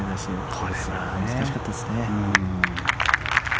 これは難しかったですね。